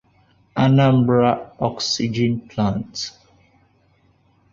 'Anambra Oxygen Plant'